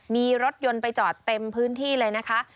มีรถยนต์ไปจอดเต็มพื้นที่เลยนะคะ